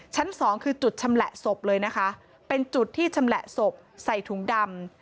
ชั้นสองคือจุดชำแหละศพเลยนะคะเป็นจุดที่ชำแหละศพใส่ถุงดำ